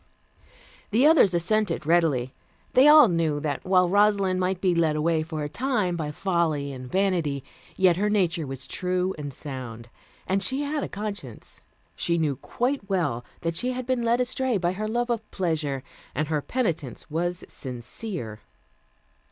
The others assented readily. They all knew that, while Rosalind might be led away for a time by folly and vanity, yet her nature was true and sound, and she had a conscience. She knew quite well that she had been led astray by her love of pleasure, and her penitence was sincere.